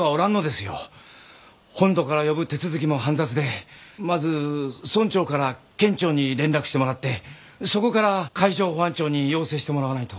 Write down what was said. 本土から呼ぶ手続きも煩雑でまず村長から県庁に連絡してもらってそこから海上保安庁に要請してもらわないと。